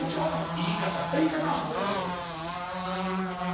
言い方。